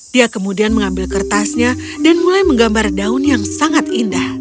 dia kemudian mengambil kertasnya dan mulai menggambar daun yang sangat indah